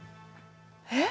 えっ？